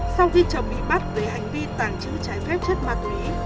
sau khi chồng bị bắt về hành vi tàng trữ trái phép chất ma túy